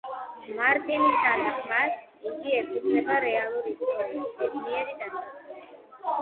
მარტინის თანახმად, იგი „ეფუძნება რეალურ ისტორიას ბედნიერი დასასრულით“.